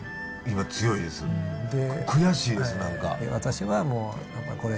悔しいです何か。